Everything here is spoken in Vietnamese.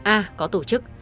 a có tổ chức